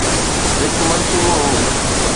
هڪ منصوبو هو.